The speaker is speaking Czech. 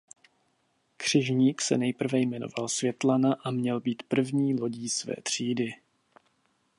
Křižník se nejprve jmenoval "Světlana" a měl být první lodí své třídy.